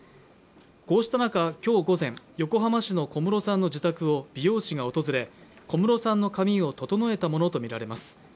こうした中、今日午前、横浜市の小室さんの自宅を美容師が訪れ、小室さんの髪を整えたものとみられます。